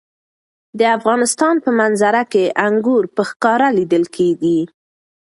د افغانستان په منظره کې انګور په ښکاره لیدل کېږي.